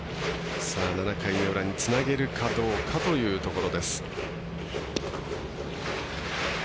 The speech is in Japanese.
７回の裏につなげるかどうかというところ。